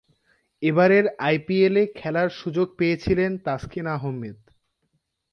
এবারের আইপিএলে খেলার সুযোগ পেয়েছিলেন তাসকিন আহমেদ।